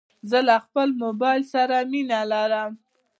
زه له خپل موبایل سره مینه لرم.